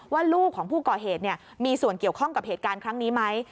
ว่าลูกของผู้ก่อเหตุมีส่วนเกี่ยวข้องกับเหตุการณ์ครั้งนี้ไหม